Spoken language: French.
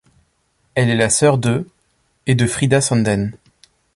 Elle est la sœur de et de Frida Sandén.